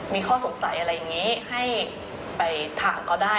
มีข้อสงสัยอะไรอย่างนี้ให้ไปถามเขาได้